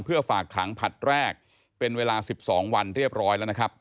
เพื่อฝากขังผลัดแรกเป็นเวลา๑๒วันเรียบร้อยแล้วนะครับ